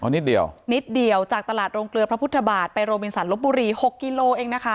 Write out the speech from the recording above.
นิดเดียวนิดเดียวจากตลาดโรงเกลือพระพุทธบาทไปโรบินสันลบบุรี๖กิโลเองนะคะ